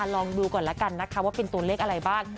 ลองดูกันก่อนว่าเป็นตัวเลขอะไรบ้าง